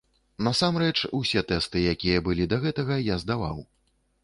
На сам рэч, усе тэсты, якія былі да гэтага, я здаваў.